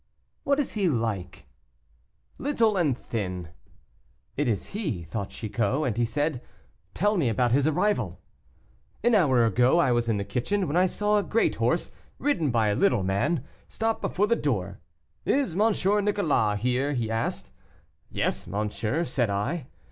"What is he like?" "Little and thin." "It is he," thought Chicot; and he said, "Tell me about his arrival." "An hour ago I was in the kitchen, when I saw a great horse, ridden by a little man, stop before the door. 'Is M. Nicolas here?' asked he. 'Yes, monsieur,' said I.